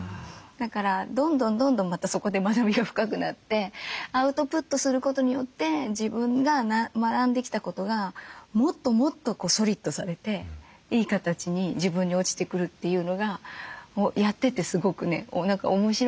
だからどんどんどんどんまたそこで学びが深くなってアウトプットすることによって自分が学んできたことがもっともっとソリッドされていい形に自分に落ちてくるというのがやっててすごくね面白いなと思います。